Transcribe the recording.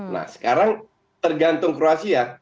nah sekarang tergantung kruasia